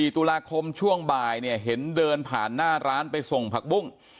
๔ตุลาคมช่วงบ่ายเนี่ยเห็นเดินผ่านหน้าร้านไปส่งผักบุ้ง